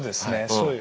そういう。